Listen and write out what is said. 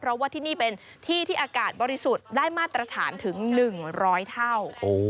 เพราะว่าที่นี่เป็นที่ที่อากาศบริสุทธิ์ได้มาตรฐานถึง๑๐๐เท่า